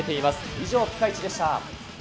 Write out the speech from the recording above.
以上、ピカイチでした。